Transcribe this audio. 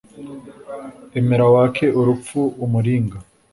emera wake urupfu umuringa